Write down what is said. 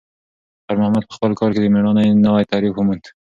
خیر محمد په خپل کار کې د میړانې نوی تعریف وموند.